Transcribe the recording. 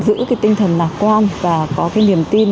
giữ cái tinh thần lạc quan và có cái niềm tin